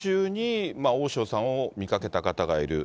午前中に大塩さんを見かけた方がいる。